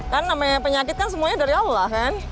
kan namanya penyakit kan semuanya dari allah kan